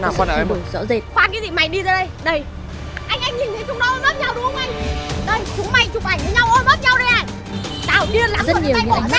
mày hủy quốc kèm với sao để mày đi ra đây mày hẹn hò với con đây mà